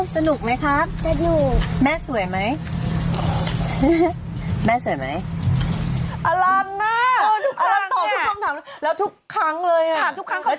สนุกไหมครับแกดิวแม่สวยไหมแม่สวยไหมอลันนะอลันตอบทุกคำถาม